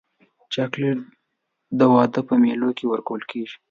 چاکلېټ د واده په مېلو کې ورکول کېږي.